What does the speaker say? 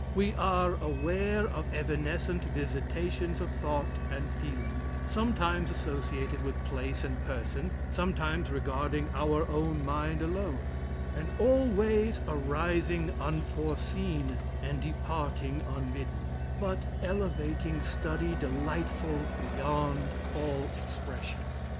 We are aware of evanescent visitations of thought and feeling, sometimes associated with place and person, sometimes regarding our own mind alone, and always arising unforeseen, and departing unbidden, but elevating and delightful beyond all expression.